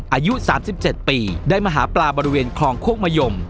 อายุ๓๗ปีได้มาหาปลาบริเวณคลองโคกมะยม